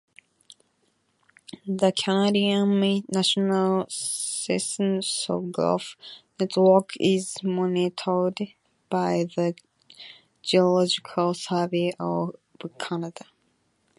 The Canadian National Seismograph Network is monitored by the Geological Survey of Canada.